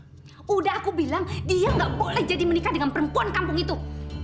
sudah aku bilang dia nggak boleh jadi menikah dengan perempuan kampung itu